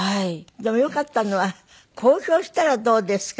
でもよかったのは「公表したらどうですか？」